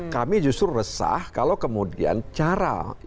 kami justru resah kalau kemudian cara